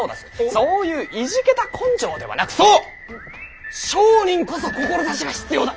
そういういじけた根性ではなくそう商人こそ志が必要だ。